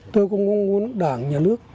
tôi cũng mong muốn đảng nhà nước